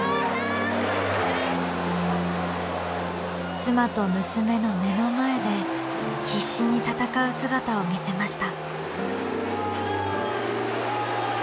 妻と娘の目の前で必死に戦う姿を見せました。